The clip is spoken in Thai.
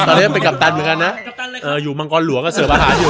ตอนนี้เป็นกัปตันเหมือนกันนะอยู่มังกรหลวงก็เสิร์ฟอาหารอยู่